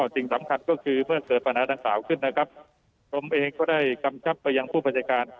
สิ่งสำคัญก็คือเมื่อเกิดปัญหาดังกล่าวขึ้นนะครับผมเองก็ได้กำชับไปยังผู้บัญชาการ